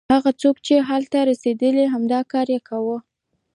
هغه څوک چې هلته رسېدل همدا کار یې کاوه.